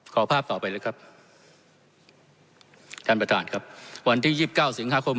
ขอภาพต่อไปเลยครับท่านประธานครับวันที่ยี่สิบเก้าสิงหาคม